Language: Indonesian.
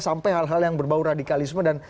sampai hal hal yang berbau radikalisme dan